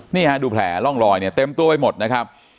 นี่ดูแผลล่องลอยเต็มตัวไปหมดนะครับ